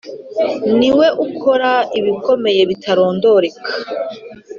ni yo ikora ibikomeye bitarondoreka,